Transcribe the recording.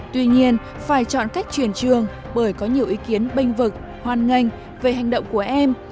tuy nhiên phải chọn cách truyền trường bởi có nhiều ý kiến bênh vực hoan nghênh về hành động của em